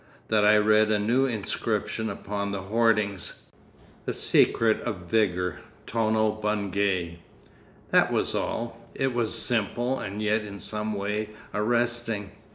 —that I read a new inscription upon the hoardings: THE SECRET OF VIGOUR, TONO BUNGAY. That was all. It was simple and yet in some way arresting.